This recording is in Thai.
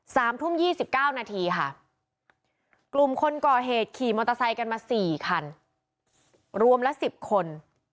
สามทุ่มยี่สิบเก้านาทีค่ะกลุ่มคนก่อเหตุขี่มอเตอร์ไซค์กันมาสี่คันรวมละสิบคน